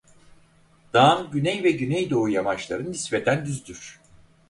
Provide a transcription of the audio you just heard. Dağın güney ve güneydoğu yamaçları nispeten düzdür.